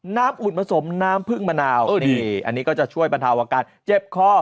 ๒น้ำอุ่นผสมน้ำพึ่งมะนาวอันนี้ก็จะช่วยปันเถาอาการเจ็บคอ